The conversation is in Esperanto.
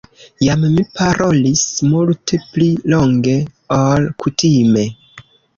Jam mi parolis multe pli longe, ol kutime.